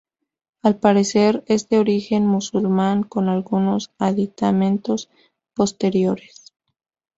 Al parecer es de origen musulmán con algunos aditamentos posteriores.